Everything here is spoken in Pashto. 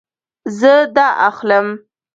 زه دا اخلم